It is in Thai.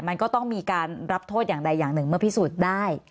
มันก็ต้องมีการรับโทษอย่างใดอย่างหนึ่งเมื่อพิสูจน์ได้